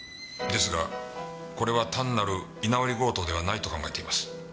ですがこれは単なる居直り強盗ではないと考えています。